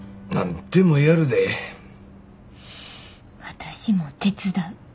私も手伝う。